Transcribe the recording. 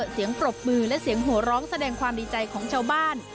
ปรบมือและเสียงหัวร้องแสดงความดีใจของชาวบ้าน